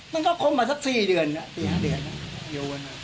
มันก็คงมาสัก๔เดือนสี่ห้าเดือน